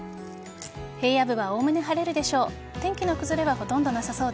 平野部はおおむね晴れるでしょう。